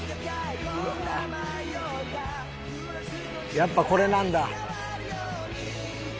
やっぱこれなんだ。